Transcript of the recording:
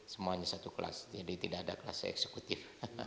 semuanya satu kelas jadi tidak ada kelas eksekutif